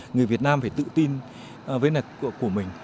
người việt nam phải tự tin với nạc của mình